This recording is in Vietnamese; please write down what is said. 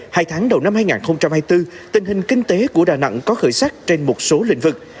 hai tháng đầu năm hai nghìn hai mươi bốn tình hình kinh tế của đà nẵng có khởi sắc trên một số lĩnh vực